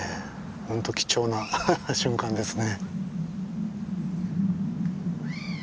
本当貴重な瞬間ですね。